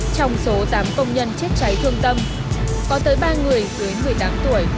trong số tám công nhân chết cháy thương tâm có tới ba người dưới một mươi tám tuổi